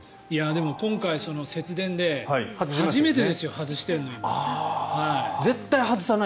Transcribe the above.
でも今回、節電で初めてですよ、外しているの今。